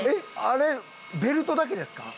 あれベルトだけですか？